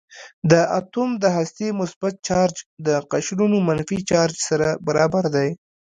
د اتوم د هستې مثبت چارج د قشرونو منفي چارج سره برابر دی.